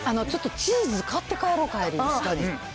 ちょっとチーズ、買って帰ろう、帰り。